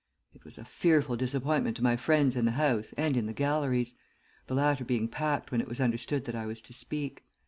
It was a fearful disappointment to my friends in the House and in the galleries; the latter being packed when it was understood that I was to speak.